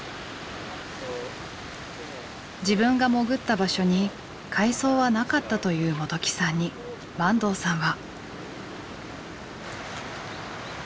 自分が潜った場所に海藻はなかったという元起さんに坂東さんは。